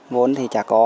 vốn thì chả có